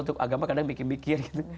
untuk agama kadang mikir mikir gitu